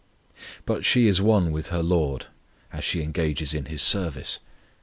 But she is one with her LORD as she engages in His service!